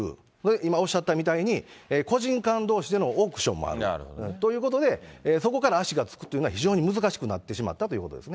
今おっしゃったみたいに個人間どうしでのオークションもあるということで、そこから足がつくってのは非常に難しくなってしまったということですね。